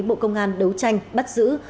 bộ công an đấu tranh bắt giữ